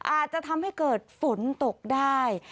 อาจจะทำให้เกิดฝนตกได้